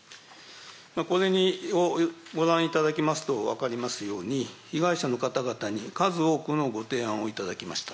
これをご覧いただきますと分かりますように、被害者の方々に数多くのご提案を頂きました。